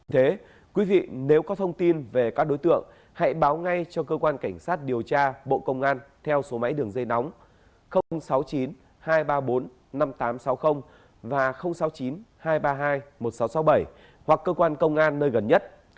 thế quý vị nếu có thông tin về các đối tượng hãy báo ngay cho cơ quan cảnh sát điều tra bộ công an theo số máy đường dây nóng sáu mươi chín hai trăm ba mươi bốn năm nghìn tám trăm sáu mươi và sáu mươi chín hai trăm ba mươi hai một nghìn sáu trăm sáu mươi bảy hoặc cơ quan công an nơi gần nhất